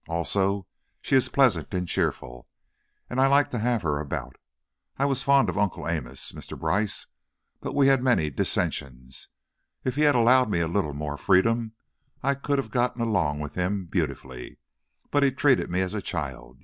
Also, she is pleasant and cheerful, and I like to have her about. I was fond of Uncle Amos, Mr. Brice, but we had many dissensions. If he had allowed me a little more freedom, I could have got along with him beautifully, but he treated me as a child.